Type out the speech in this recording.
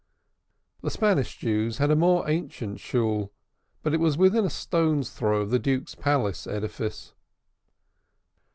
The Spanish Jews had a more ancient snoga, but it was within a stone's throw of the "Duke's Place" edifice.